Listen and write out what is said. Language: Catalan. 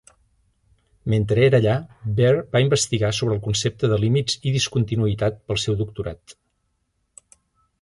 Mentre era allà, Baire va investigar sobre el concepte de límits i discontinuïtat pel seu doctorat.